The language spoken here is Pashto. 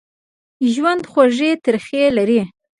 ژوند خوږې ترخې لري.